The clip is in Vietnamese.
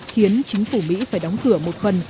khiến chính phủ mỹ phải đóng cửa một phần